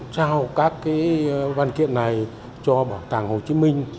trao các văn kiện này cho bảo tàng hồ chí minh